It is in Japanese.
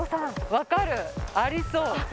わかるありそう。